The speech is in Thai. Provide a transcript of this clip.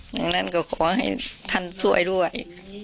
ดังนั้นก็ขอให้ท่านช่วยด้วย